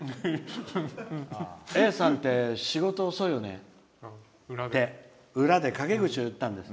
Ａさんって仕事遅いよねって裏で陰口を言ったんです。